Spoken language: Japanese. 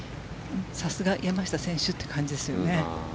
さすが山下選手って感じですよね。